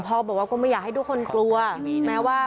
เพราะถ้าไม่ฉีดก็ไม่ได้